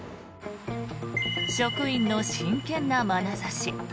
職員の真剣なまなざし。